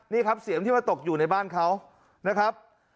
นี่ครับเสียงที่มาตกอยู่ในบ้านเขานะครับ